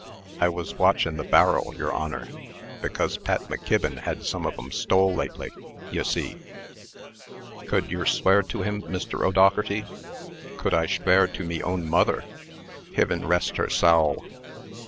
I was watchin' the bar'l, yer Honor, becos Pat McKibbin had some of 'em stole lately, ye see." "Could yer swear to him, Mr. O'Dougherty?" "Could I shwear to me own mother? Hivin rest her sowl!